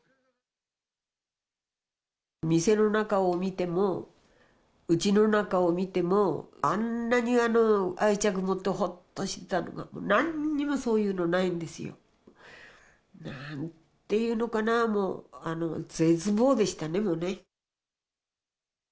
店の中を見ても、うちの中を見ても、あんなに愛着持ってほっとしたものが、なんにもそういうのないんですよ。なんていうのかな、もう、絶望でしたね、もうね。